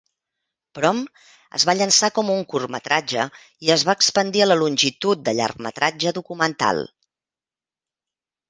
"Prom" es va llançar com un curtmetratge i es va expandir a la longitud de llargmetratge documental.